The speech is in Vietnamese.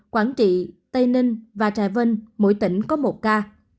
quảng trị tây ninh và trà vân mỗi tỉnh có một ca